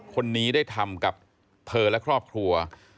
คนนี้ได้ทำกับเธอและครอบครัว